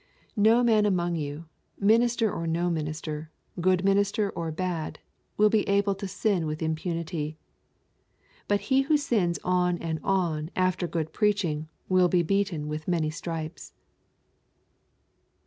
No man among you, minister or no minister, good minister or bad, will be able to sin with impunity. But he who sins on and on after good preaching will be beaten with many stripes.